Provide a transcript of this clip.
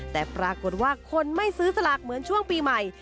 แต่ปรากฏว่าคนไม่ซื้อสลากเหมือนช่วงปีใหม่